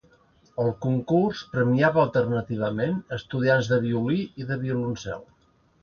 El concurs premiava alternativament estudiants de violí i de violoncel.